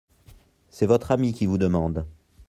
C’est votre ami qui vous demande…